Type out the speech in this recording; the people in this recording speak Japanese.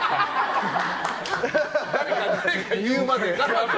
誰か言うまで。